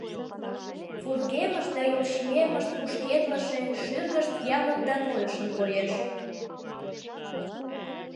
Вургемышт да йолчиемышт кушкедлыше, шӱргышт явык да нойышын коеш.